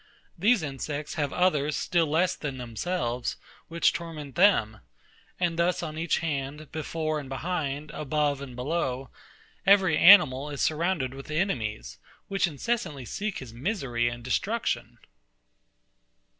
These insects have others still less than themselves, which torment them. And thus on each hand, before and behind, above and below, every animal is surrounded with enemies, which incessantly seek his misery and destruction.